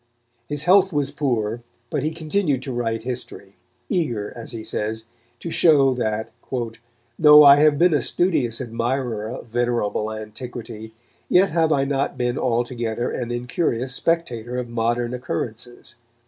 His health was poor, but he continued to write history, eager, as he says, to show that "though I have been a studious admirer of venerable antiquity, yet have I not been altogether an incurious spectator of modern occurrences."